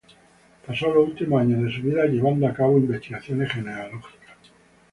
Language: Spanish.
Pasó los últimos años de su vida llevando a cabo investigaciones genealógicas.